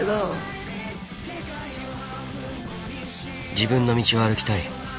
「自分の道を歩きたい」。